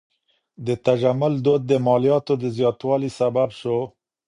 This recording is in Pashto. د تجمل دود د مالیاتو د زیاتوالي سبب سو.